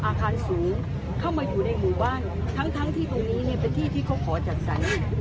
อาคารสูงเข้ามาอยู่ในหมู่บ้านทั้งทั้งที่ตรงนี้เนี่ยเป็นที่ที่เขาขอจัดสรร